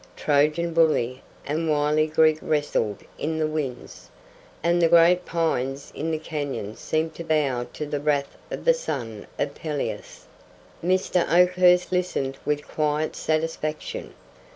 Trojan bully and wily Greek wrestled in the winds, and the great pines in the canyon seemed to bow to the wrath of the son of Peleus. Mr. Oakhurst listened with quiet satisfaction.